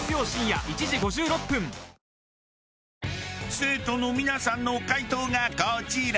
生徒の皆さんの解答がこちら。